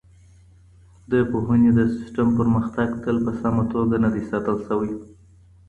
د پوهنې د سیستم پرمختګ تل په سمه توګه نه دی ساتل سوی.